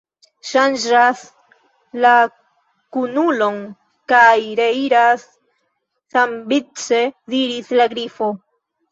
"Ŝanĝas la kunulon kaj reiras samvice," diris la Grifo.